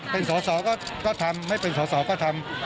เป็นสอสอก็ทำไม่เป็นสอสอก็ทำ